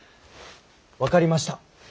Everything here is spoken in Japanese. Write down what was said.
分かりました。